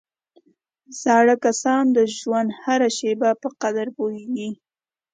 زاړه کسان د ژوند هره شېبه په قدر پوهېږي